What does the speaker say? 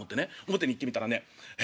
表に行ってみたらねえ？